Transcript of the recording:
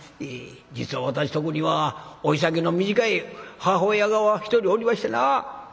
「ええ実は私のとこには老い先の短い母親が一人おりましてな。